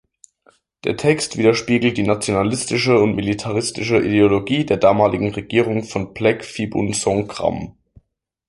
Der Text widerspiegelt die nationalistische und militaristische Ideologie der damaligen Regierung von Plaek Phibunsongkhram.